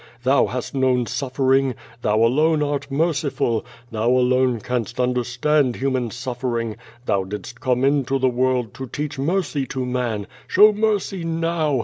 Thou hast known suffer ing! Thou alone art merciful! Thou alone canst understand human suffering! Thou didst come into the world to teach mercy to man! Show mercy now!